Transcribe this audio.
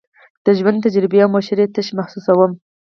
د ژوند تجربې او مشورې تشه محسوسوم.